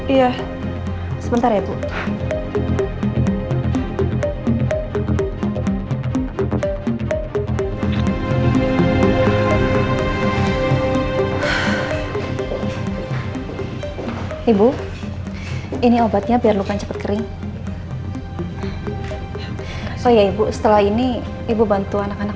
iya sebentar ya bu ibu ini obatnya biar luka cepet kering saya ibu setelah ini ibu bantu anak anak